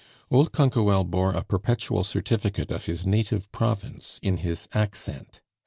Old Canquoelle bore a perpetual certificate of his native province in his accent.